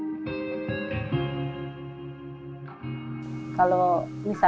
benteng ini berubah menjadi kualitas pembakaran